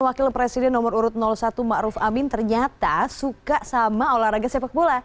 wakil presiden nomor urut satu ma'ruf amin ternyata suka sama olahraga sepak bola